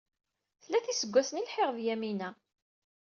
Tlata iseggasen i lḥiɣ d Yamina.